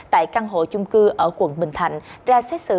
tại căn hộ chung cư ở quận bình thạnh ra xét xử